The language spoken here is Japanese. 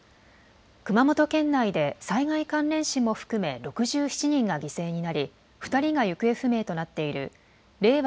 熊本県内で災害関連死も含め６７人が犠牲になり２人が行方不明となっている令和